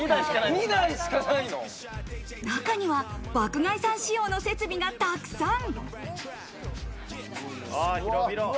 中には爆買いさん仕様の設備がたくさん。